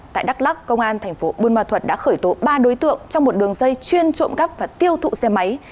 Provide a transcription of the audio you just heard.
tại đắk lắc công an thành phố buôn ma thuật đã khởi tố ba đối tượng trong một đường dây chuyên trộm cắp và tiêu thụ xe máy